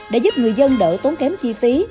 để giúp người dân đỡ tốn kém chi phí